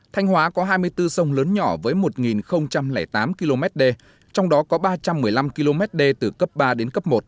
thanh hóa có hai mươi bốn sông lớn nhỏ với một tám km đê trong đó có ba trăm một mươi năm km đê từ cấp ba đến cấp một